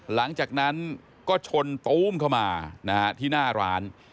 หลังจากนั้นก็ชนตู้มเข้ามาที่หน้าร้าน